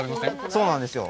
そうなんですけど。